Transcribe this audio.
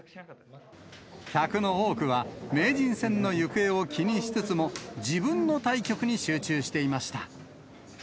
客の多くは、名人戦の行方を気にしつつも、自分の対局に集中していました。